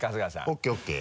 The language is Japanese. ＯＫＯＫ。